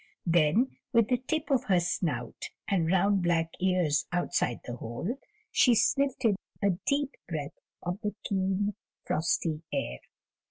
Then, with the tip of her snout and round black ears outside the hole, she sniffed in a deep breath of the keen, frosty air.